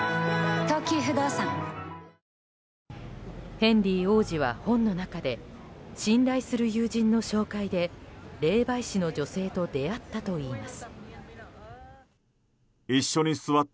ヘンリー王子は本の中で信頼する友人の紹介で霊媒師の女性と出会ったといいます。